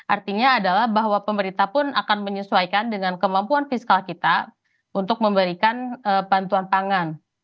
artinya adalah bahwa pemerintah pun akan menyesuaikan dengan kemampuan fiskal kita untuk memberikan bantuan pangan